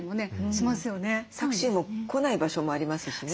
タクシーも来ない場所もありますしね。